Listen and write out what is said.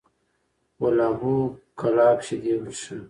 ول ابو کلاب شیدې وڅښه!